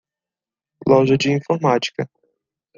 Loja de informática.